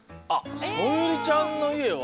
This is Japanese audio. そよりちゃんのいえは。